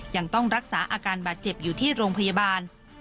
ยังต้องรักษาอาการบาดเจ็บอยู่ที่โรงพยาบาล